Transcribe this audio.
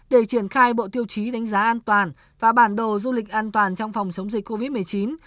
để triển khai bộ tiêu chí đánh giá an toàn và bản đồ du lịch an toàn trong phòng chống dịch covid một mươi chín